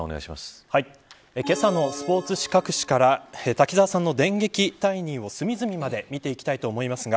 けさのスポーツ紙各紙から滝沢さんの電撃退任を隅々まで見ていきます。